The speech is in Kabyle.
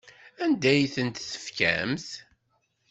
Anda ay tent-tefkamt?